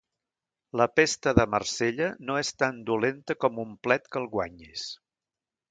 La pesta de Marsella no és tan dolenta com un plet que el guanyis.